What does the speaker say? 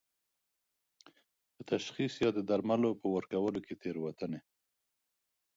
په تشخیص یا د درملو په ورکولو کې تېروتنې